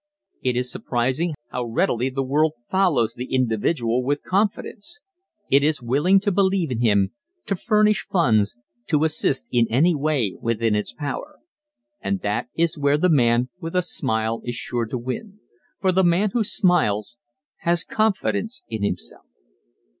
It is surprising how readily the world follows the individual with confidence. It is willing to believe in him, to furnish funds, to assist in any way within its power. And that is where the man with a smile is sure to win for the man who smiles has confidence in himself.